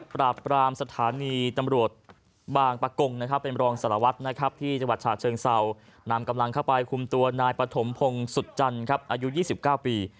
มาปรามสถานีตำรวจบางปะกงเป็นรองสละวัดที่จังหวัดฉาเชิงเศร้านำกำลังเข้าไปคุมตัวนายปะถมพงษ์สุจรรย์อายุ๒๙ปี